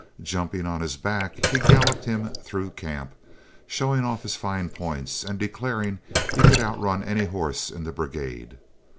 Jumping on his back he galloped him through camp, showing off his fine points, and declaring he could outrun any horse in the brigade.